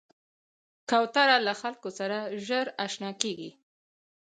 کوتره له خلکو سره ژر اشنا کېږي.